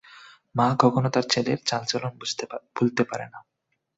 মা কখনো তার ছেলের চাল- চলন ভুলতে পারেনা।